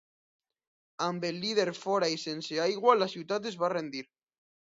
Amb el líder fora i sense aigua la ciutat es va rendir.